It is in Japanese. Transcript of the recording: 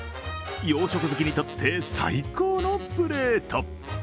洋食好きにとって最高のプレート。